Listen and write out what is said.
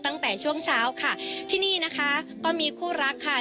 ตั้งแต่ช่วงเช้าค่ะที่นี่นะคะก็มีคู่รักค่ะ